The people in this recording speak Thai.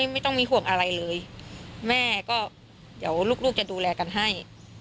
ไม่ต้องมีห่วงอะไรเลยแม่ก็เดี๋ยวลูกจะดูแลกันให้